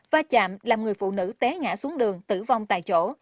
va chạm làm người phụ nữ té ngã xuống đường tử vong tại chỗ